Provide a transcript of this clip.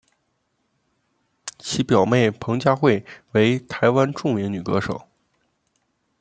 其表妹彭佳慧为台湾著名女歌手。